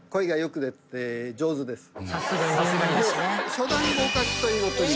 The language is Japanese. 初段合格というふうに。